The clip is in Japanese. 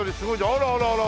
あらあらあら。